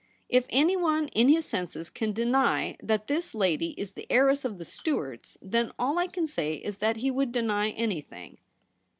If anyone in his senses can deny that this lady is the heiress of the Stuarts, then all I can say is that he would deny any thing.'